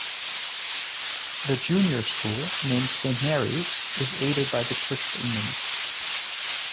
The junior school, named Saint Mary's, is aided by the Church of England.